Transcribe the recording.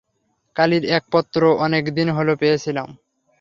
কালীর এক পত্র অনেক দিন হল পেয়েছিলাম।